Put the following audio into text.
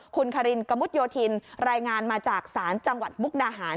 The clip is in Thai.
คุณคารินกะมุดโยธินรายงานมาจากศาลจังหวัดมุกดาหาร